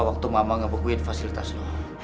waktu mama ngebukuin fasilitas lu